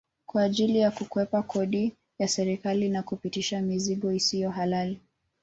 Kwa ajili ya kukwepa kodi ya serikali na kupitisha mizigo isiyo halali